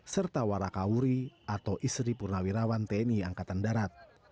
serta waraka uri atau istri purnawirawan tni angkatan darat